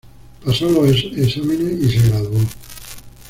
Pasó los exámenes y se graduó.